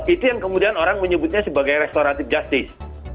itu yang kemudian orang menyebutnya sebagai restoratif justice